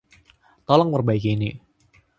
Tolong perbaiki ini.